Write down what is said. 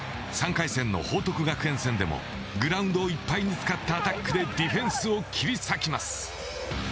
３回戦の報徳学園戦でもグラウンドいっぱいに使ったアタックでディフェンスを切り裂きます。